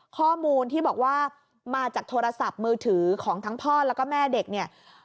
ข้อมูลที่บอกว่ามาจากโทรศัพท์มือถือของทั้งพ่อแล้วก็แม่เด็กเนี่ย